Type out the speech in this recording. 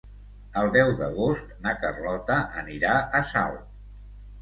El deu d'agost na Carlota anirà a Salt.